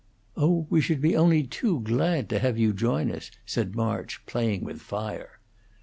"Oh, we should be only too glad to have you join us," said March, playing with fire.